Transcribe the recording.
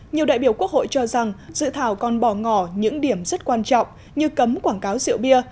nhiều đại biểu quốc hội cho rằng dự thảo còn bỏ ngỏ những điểm rất quan trọng như cấm quảng cáo rượu bia